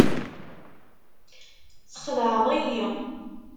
Txedɛeḍ-iyi.